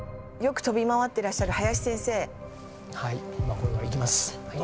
これはいきます。